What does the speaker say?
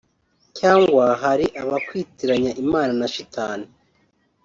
cyangwa hari abakwitiranya Imana na shitani